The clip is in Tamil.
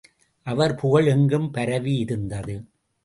அவர் புகழ் எங்கும் பரவியிருந்தது.